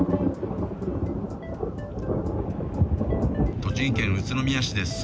栃木県宇都宮市です。